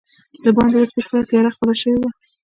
دباندې اوس بشپړه تیاره خپره شوې وه.